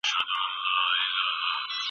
مسجود هغه څوک دی چي سجده ورته کیږي.